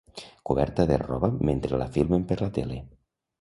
Coberta de roba mentre la filmen per la tele.